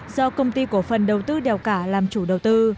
do công ty cổ phần đầu tư đèo cả làm chủ đầu tư